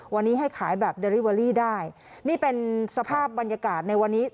วันนี้ให้ขายแบบเดริเวอรี่ได้นี่เป็นสภาพบรรยากาศในวันนี้